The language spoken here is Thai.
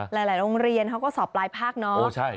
หลายโรงเรียนเขาก็สอบปลายภาคเนาะ